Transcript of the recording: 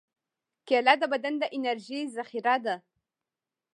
کېله د بدن د انرژۍ ذخیره ده.